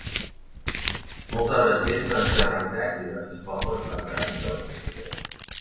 Molts arbres vells van ser arrencats i diversos pobles es van quedar sense electricitat.